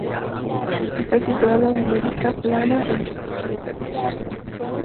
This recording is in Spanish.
Está situado en Velika Plana, en Serbia Central.